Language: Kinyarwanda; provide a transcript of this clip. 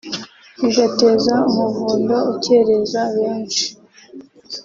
bigateza umuvundo ukereza benshi